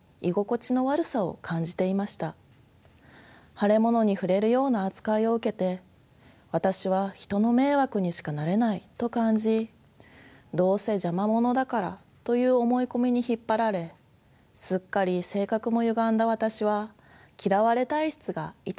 腫れ物に触れるような扱いを受けて「私は人の迷惑にしかなれない」と感じ「どうせ邪魔者だから」という思い込みに引っ張られすっかり性格もゆがんだ私は嫌われ体質が板についてしまいました。